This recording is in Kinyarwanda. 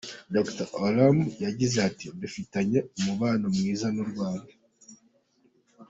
Dr Oramah yagize ati “Dufitanye umubano mwiza n’u Rwanda.